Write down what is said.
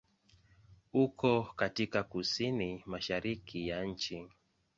Uko katika kusini-mashariki ya nchi.